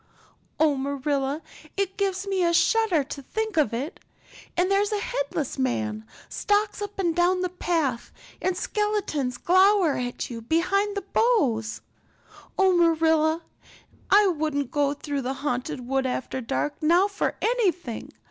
Oh, Marilla, it gives me a shudder to think of it. And there's a headless man stalks up and down the path and skeletons glower at you between the boughs. Oh, Marilla, I wouldn't go through the Haunted Wood after dark now for anything.